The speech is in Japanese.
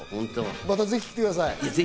またぜひ来てください。